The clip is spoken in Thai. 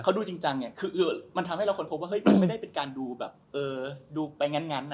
เพราะให้เราค้นโพกว่าเฮ้ยมันไม่ได้เป็นการดูแบบเอ่อดูไปงานอ่ะ